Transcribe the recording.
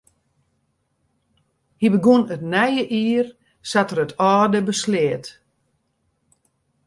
Hy begûn it nije jier sa't er it âlde besleat.